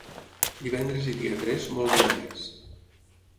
Divendres i dia tres, molt dolent és.